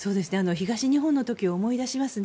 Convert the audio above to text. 東日本の時を思い出しますね。